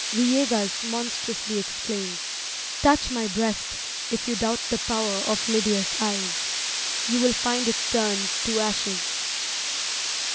Villegas monstrously exclaims, "Touch my breast, if you doubt the power of Lydia's eyes you will find it turned to ashes."